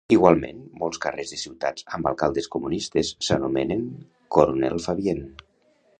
Igualment, molts carrers de ciutats amb alcaldes comunistes s'anomenen "Coronel Fabien".